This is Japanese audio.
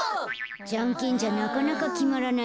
じゃんけんじゃなかなかきまらないね。